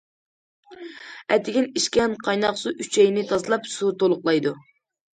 ئەتىگەن ئىچكەن قايناق سۇ ئۈچەينى تازىلاپ، سۇ تولۇقلايدۇ.